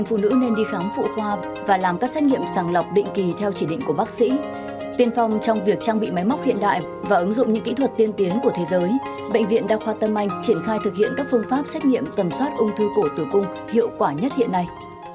và ứng dụng những kỹ thuật tiên tiến của thế giới bệnh viện đa khoa tâm anh triển khai thực hiện các phương pháp xét nghiệm tầm soát ung thư cổ tử cung hiệu quả nhất hiện nay